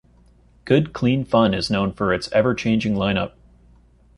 Good Clean Fun is known for its ever-changing line up.